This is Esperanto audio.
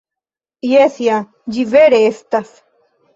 Jes, ja, ĝi vere estas!